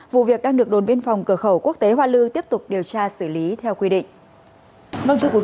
vụ việc đang được đồn biên phòng cửa khẩu quốc tế hoa lư tiếp tục điều tra xử lý theo quy định